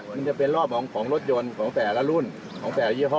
มันจะเป็นรอบของรถยนต์ของแต่ละรุ่นของแต่ละยี่ห้อ